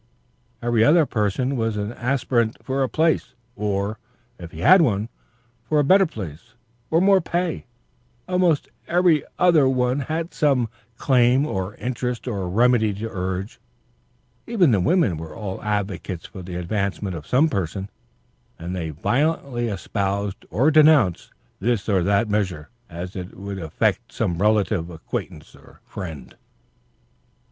Every other person was an aspirant for a place, or, if he had one, for a better place, or more pay; almost every other one had some claim or interest or remedy to urge; even the women were all advocates for the advancement of some person, and they violently espoused or denounced this or that measure as it would affect some relative, acquaintance or friend.